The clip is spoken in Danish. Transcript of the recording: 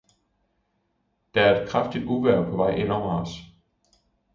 Der er et kraftigt uvejr på vej ind over os.